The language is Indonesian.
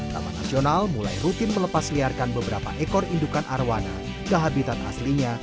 taman nasional mulai rutin melepasliarkan beberapa ekor indukan arowana ke habitat alaminya